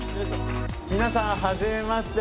皆さんはじめまして。